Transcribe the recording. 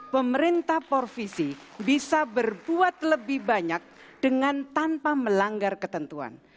pemerintah provinsi bisa berbuat lebih banyak dengan tanpa melanggar ketentuan